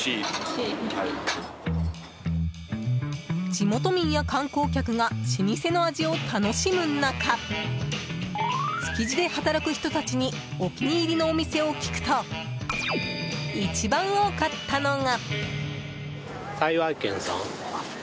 地元民や観光客が老舗の味を楽しむ中築地で働く人たちにお気に入りのお店を聞くと一番多かったのが。